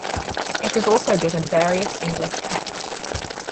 It was also given various English texts.